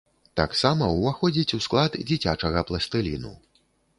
Таксама ўваходзіць у склад дзіцячага пластыліну.